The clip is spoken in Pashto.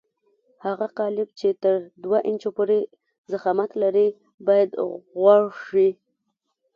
هغه قالب چې تر دوه انچو پورې ضخامت لري باید غوړ شي.